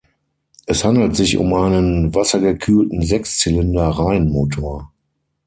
Es handelt sich um einen wassergekühlten Sechszylinder-Reihenmotor.